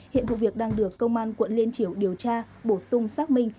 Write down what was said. hiện vụ việc đang được công an quận liên triểu điều tra bổ sung xác minh